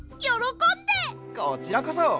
こちらこそ！